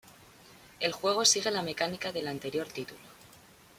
El juego sigue la mecánica del anterior título.